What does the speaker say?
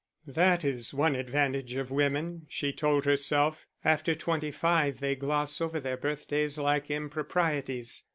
"That is one advantage of women," she told herself, "after twenty five they gloss over their birthdays like improprieties.